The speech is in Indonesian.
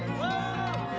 kita yang mencintai